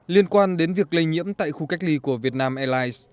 liên quan đến việc lây nhiễm tại khu cách ly của việt nam airlines